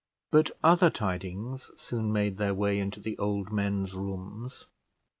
But other tidings soon made their way into the old men's rooms.